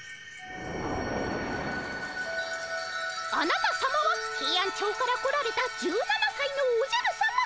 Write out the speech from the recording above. あなたさまはヘイアンチョウから来られた１７さいのおじゃるさま。